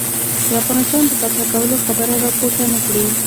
د افغانستان د فتح کولو خبره را پورته نه کړي.